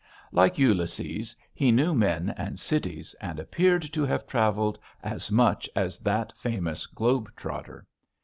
Like Ulysses, he knew men and cities, and appeared to have travelled as much as that famous globe trotter.